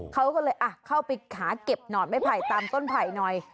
เขาก็เลยเข้าไปขาเก็บหนอดไม้ไผ่ตามต้นไผ่หน่อย